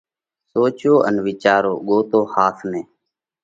سوچو ان وِيچارو۔ ڳوتو ۿاس نئہ!